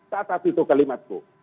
tata situ kalimatku